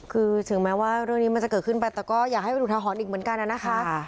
คือถึงแม้ว่าเรื่องนี้มันจะเกิดขึ้นไปแต่ก็อยากให้เป็นอุทาหรณ์อีกเหมือนกันนะคะ